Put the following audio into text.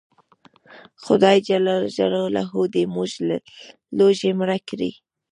خدای ج دې موږ له لوږې مړه کړي